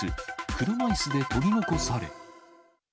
車いすで取り残され。